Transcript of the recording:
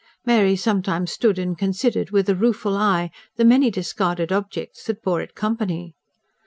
Mary sometimes stood and considered, with a rueful eye, the many discarded objects that bore it company.